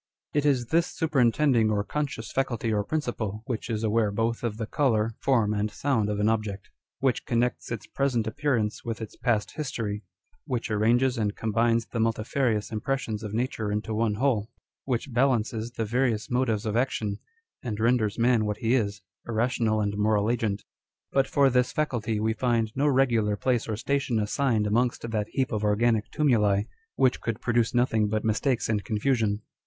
It is this superintending or conscious faculty or principle which is aware both of the colour, form, and sound of an object ; which connects its present appearance with its past history ; which arranges and combines the multifarious 1 Page 273. P MO On Dr. Spwrzheim's Theory. impressions of nature into one whole ; which balances the various motives of action, and renders man what he is â€" a rational and moral agent : but for this faculty we find no regular place or station assigned amongst that heap of organic tumuli, which could produce nothing but mistakes and confusion.